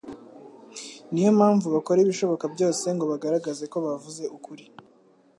niyo mpamvu bakora ibishoboka byose ngo bagaragaze ko bavuze ukuri